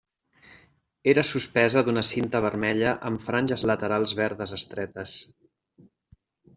Era suspesa d'una cinta vermella amb franges laterals verdes estretes.